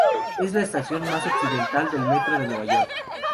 Es la estación más occidental del metro de Nueva York.